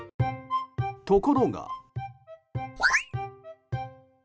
ところが。